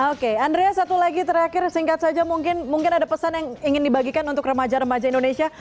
oke andrea satu lagi terakhir singkat saja mungkin ada pesan yang ingin dibagikan untuk remaja remaja indonesia